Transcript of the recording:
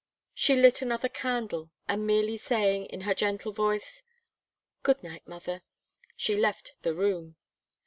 She, lit another candle, and merely saying, in her gentle voice "Good night, mother," she left the room.